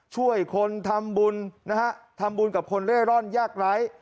ช่วยคนทำบุญทำบุญกับคนเล่อร่อนยากร้าย